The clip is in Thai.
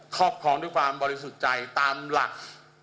ครอบครองด้วยความบริสุทธิ์ใจตามหลัก